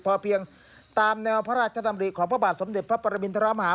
พอเพียงตามแนวพระราชดำริของพระบาทสมเด็จพระปรมินทรมาหา